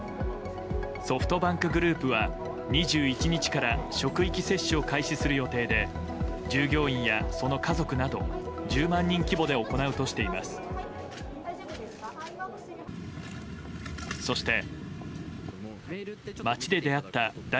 ソフトバンクグループは２１日から職域接種を開始する予定で従業員やその家族など１０万人規模で行うとしています。